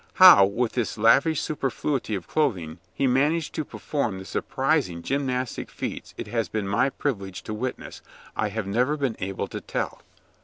How, with this lavish superfluity of clothing, he managed to perform the surprising gymnastic feats it has been my privilege to witness, I have never been able to tell.